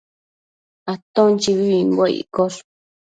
Aton chibibimbuec iccosh